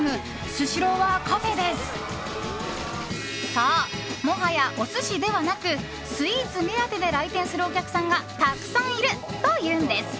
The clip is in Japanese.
そう、もはやお寿司ではなくスイーツ目当てで来店するお客さんがたくさんいるというのです。